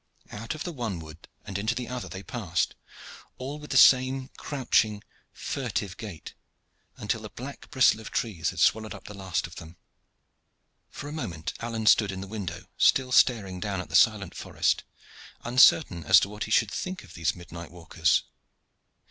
Out of the one wood and into the other they passed, all with the same crouching, furtive gait, until the black bristle of trees had swallowed up the last of them. For a moment Alleyne stood in the window, still staring down at the silent forest, uncertain as to what he should think of these midnight walkers.